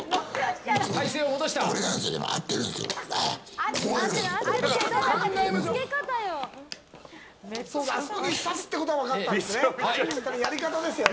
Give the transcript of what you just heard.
あそこに差すってことは分かったんですね。